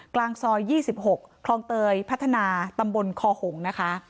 กลางซอย๒๖คลองเตยพัฒนาตำบลคอหงนะคะ